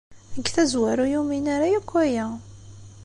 Deg tazwara, ur yumin ara akk aya.